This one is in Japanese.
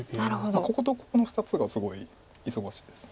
こことここの２つがすごい忙しいです。